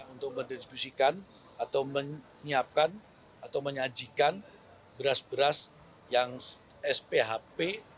untuk mendistribusikan atau menyiapkan atau menyajikan beras beras yang sphp